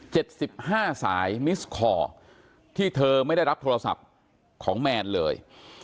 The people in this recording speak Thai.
สิบห้าสายมิสคอร์ที่เธอไม่ได้รับโทรศัพท์ของแมนเลย